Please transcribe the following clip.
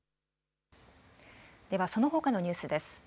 では、そのほかのニュースです。